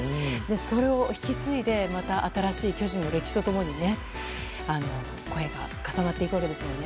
それを引き継いでまた新しい巨人の歴史と共に声が重なっていくんですもんね。